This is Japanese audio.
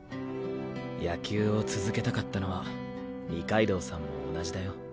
野球を続けたかったのは二階堂さんも同じだよ。